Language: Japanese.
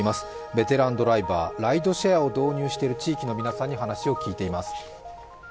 ベテランドライバーライドシェアを導入している地域の皆さんに話を聞いています